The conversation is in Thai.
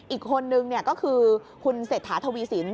อีกคนหนึ่งก็คือคุณเศรษฐาถวีศิลป์